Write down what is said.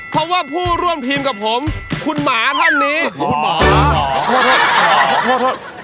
เพราะว่าผู้ร่วมทีมกับผมคุณหมาท่านนี้คุณหมอขอโทษ